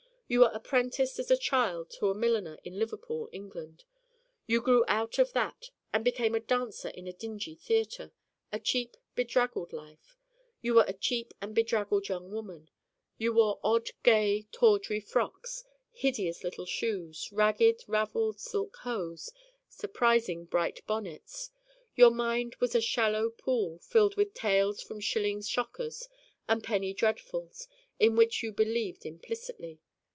You were apprenticed as a child to a milliner in Liverpool, England. You grew out of that and became a dancer in a dingy theatre a cheap bedraggled life. You were a cheap and bedraggled young woman. You wore odd gay tawdry frocks, hideous little shoes, ragged raveled silk hose, surprising bright bonnets. Your mind was a shallow pool filled with tales from shilling shockers and penny dreadfuls in which you believed implicitly.